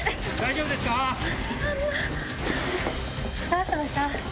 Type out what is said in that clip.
どうしました？